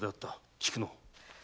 菊乃。